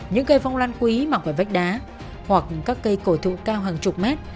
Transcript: những cây phong lan quý mặc vào vách đá hoặc các cây cổ thụ cao hàng chục mét